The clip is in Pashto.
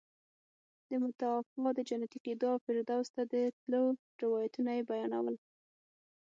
د متوفي د جنتي کېدو او فردوس ته د تلو روایتونه یې بیانول.